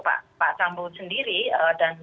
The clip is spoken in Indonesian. pak sambut sendiri dan